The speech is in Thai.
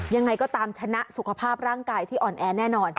ยังไงก็ตามชนะสุขภาพร่างกายที่อ่อนแอแน่นอน